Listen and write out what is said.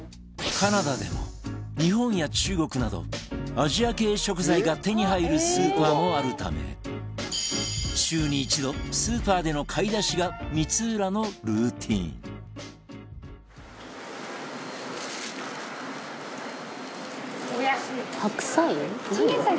カナダでも日本や中国などアジア系食材が手に入るスーパーもあるため週に一度スーパーでの買い出しが光浦のルーチン「白菜？」